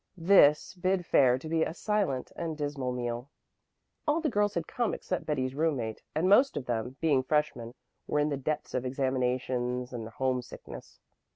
This bid fair to be a silent and dismal meal. All the girls had come except Betty's roommate, and most of them, being freshmen, were in the depths of examinations and homesickness.